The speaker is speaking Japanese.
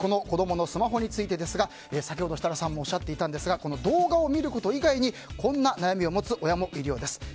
子供のスマホについてですが先ほど設楽さんもおっしゃっていたんですが動画を見ること以外にこんな悩みを持つ親もいるようです。